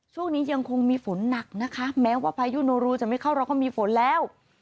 ช่วงนี้ยังคงมีฝนหนักนะคะแม้ว่าพายุโนรูจะไม่เข้าเราก็มีฝนแล้ว